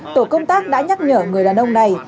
tổ công tác đã nhắc nhở người đàn ông này